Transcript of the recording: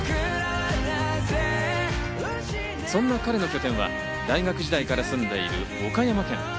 そんな彼の拠点は大学時代から住んでいる岡山県。